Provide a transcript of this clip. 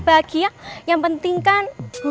bahagia yang penting kan